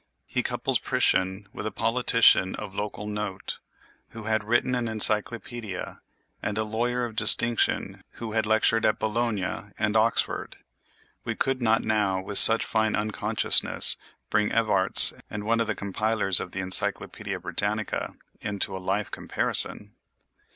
He couples Priscian with a politician of local note who had written an encyclopædia and a lawyer of distinction who had lectured at Bologna and Oxford; we could not now with such fine unconsciousness bring Evarts and one of the compilers of the Encyclopedia Britannica into a life comparison.